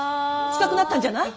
近くなったんじゃない。